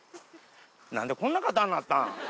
なんでこんな肩になったん。